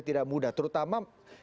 tidak mudah terutama